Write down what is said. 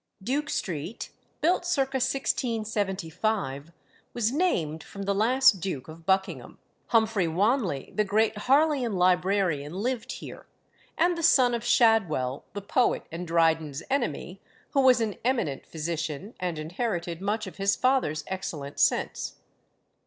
Duke Street, built circa 1675, was named from the last Duke of Buckingham. Humphrey Wanley, the great Harleian librarian, lived here, and the son of Shadwell, the poet and Dryden's enemy, who was an eminent physician, and inherited much of his father's excellent sense.